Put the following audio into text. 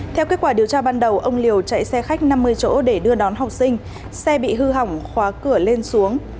theo kết quả điều tra ban đầu ông liều chạy xe khách năm mươi chỗ để đưa đón học sinh xe bị hư hỏng khóa cửa lên xuống